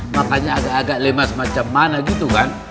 makanya agak agak lemas macam mana gitu kan